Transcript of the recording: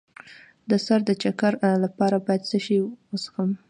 د سر د چکر لپاره باید څه شی وڅښم؟